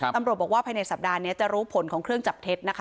ตำรวจบอกว่าภายในสัปดาห์นี้จะรู้ผลของเครื่องจับเท็จนะคะ